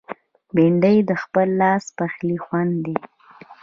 بېنډۍ د خپل لاس پخلي خوند دی